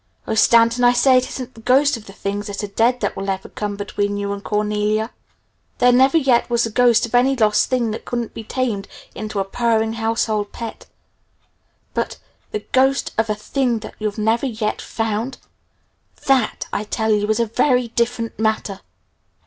Oh, Stanton, I say, it isn't the ghost of the things that are dead that will ever come between you and Cornelia. There never yet was the ghost of any lost thing that couldn't be tamed into a purring household pet. But the ghost of a thing that you've never yet found? That, I tell you, is a very different matter!"